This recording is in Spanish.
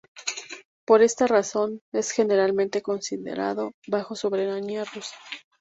Por esta razón, es generalmente considerado bajo soberanía rusa.